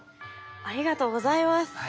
ありがとうございます。